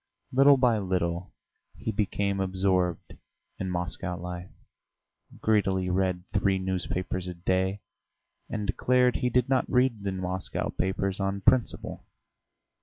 Little by little he became absorbed in Moscow life, greedily read three newspapers a day, and declared he did not read the Moscow papers on principle!